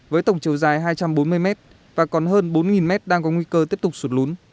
với tổng chiều dài hai trăm bốn mươi mét và còn hơn bốn mét đang có nguy cơ tiếp tục sụt lún